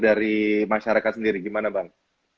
dari masyarakat sendiri gimana bang